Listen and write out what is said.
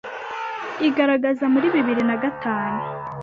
igaragaza muri bibiri na gatanu